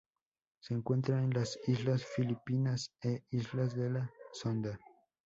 Se encuentra en las Islas Filipinas e islas de la Sonda.